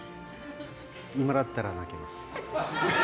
今だったら泣けます。